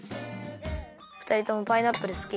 ふたりともパイナップルすき？